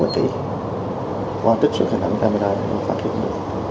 để qua trích sự khả năng camera chúng tôi phát hiện được